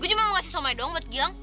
gue cuma mau kasih somai dong buat gilang